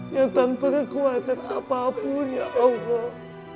yang tanpa kekuatan apapun ya allah